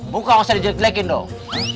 bukan usah dijeglekin dong